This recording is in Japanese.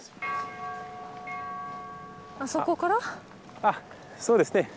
あそうですね。